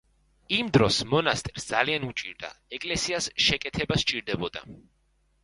იმ დროს მონასტერს ძალიან უჭირდა, ეკლესიას შეკეთება სჭირდებოდა.